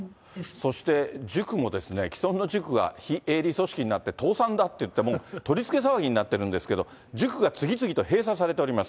そして塾も既存の塾が非営利組織になって倒産だっていって、もう、とりつけ騒ぎになってるんですけれども、塾が次々と閉鎖されております。